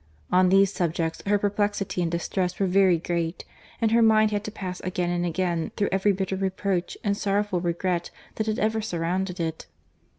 —On these subjects, her perplexity and distress were very great—and her mind had to pass again and again through every bitter reproach and sorrowful regret that had ever surrounded it.